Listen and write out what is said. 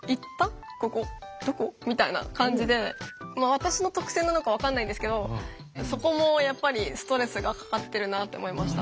私の特性なのか分かんないんですけどそこもやっぱりストレスがかかってるなって思いました。